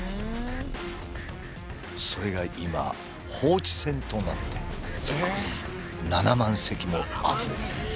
それが今放置船となって全国に７万隻もあふれているんです。